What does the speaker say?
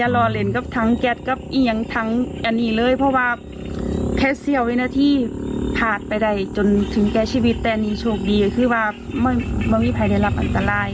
รอเล่นกับทั้งแก๊สกับเอียงทั้งอันนี้เลยเพราะว่าแค่เสี้ยววินาทีผ่านไปได้จนถึงแก่ชีวิตแต่อันนี้โชคดีก็คือว่าไม่มีใครได้รับอันตราย